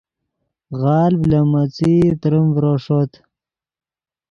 غالڤ لے میݯئی تریم ڤرو ݰوت